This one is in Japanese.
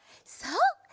そう。